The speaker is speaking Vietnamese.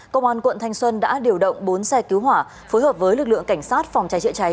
công an quận thanh xuân đã điều động bốn xe cứu hỏa phối hợp với lực lượng cảnh sát phòng cháy chữa cháy